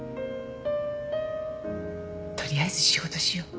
取りあえず仕事しよう。